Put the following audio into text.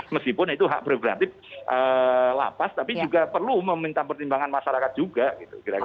meskipun itu berarti lapas tapi juga perlu meminta pertimbangan masyarakat juga gitu